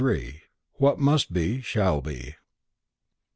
"WHAT MUST BE SHALL BE."